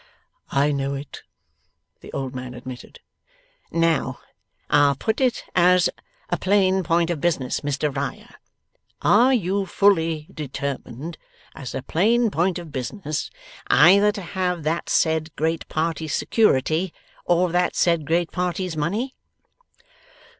'I know it,' the old man admitted. 'Now, I'll put it as a plain point of business, Mr Riah. Are you fully determined (as a plain point of business) either to have that said great party's security, or that said great party's money?